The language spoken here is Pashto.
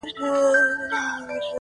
ما مي په اورغوي کي د فال نښي وژلي دي؛